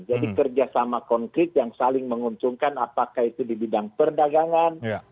jadi kerjasama konkret yang saling menguntungkan apakah itu di bidang perdagangan